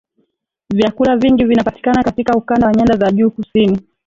vyakula vingi vinapatikana katika ukanda wa nyanda za juu kusini